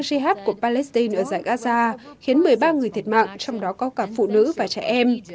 jh của palestine ở giải gaza khiến một mươi ba người thiệt mạng trong đó có cả phụ nữ và trẻ em